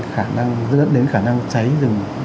khả năng rất đến khả năng cháy rừng